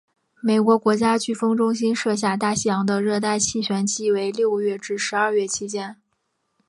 美国国家飓风中心设下大西洋的热带气旋季为六月至十二月期间。